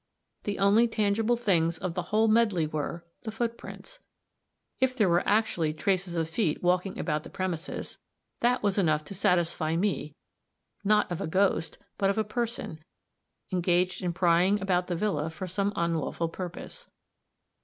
The only tangible things of the whole medley were the footprints. If there were actually traces of feet walking about the premises, that was enough to satisfy me not of a ghost, but of a person, engaged in prying about the villa for some unlawful purpose.